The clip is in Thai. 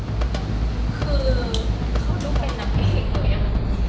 คือเขาดูเป็นนักเพศเลย